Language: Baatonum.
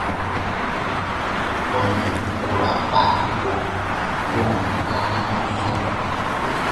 Tɔnu ku ra faari ko goon gãanun sɔ̃.